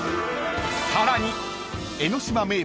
［さらに］